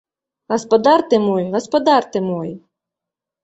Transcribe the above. Гаспадар ты мой, гаспадар ты мой!